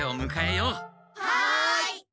はい！